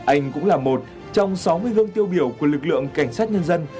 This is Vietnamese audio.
anh cũng là một trong sáu mươi gương tiêu biểu của lực lượng cảnh sát nhân dân